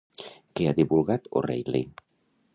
Què ha divulgat O'Reilly?